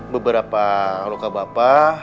beberapa luka bapak